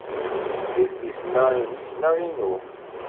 Idlisen-a, inek neɣ inu?